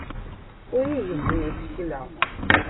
Ur igezzem isekla.